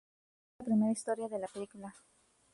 Es la primera historia de la película.